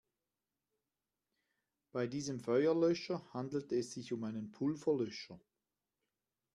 Bei diesem Feuerlöscher handelt es sich um einen Pulverlöscher.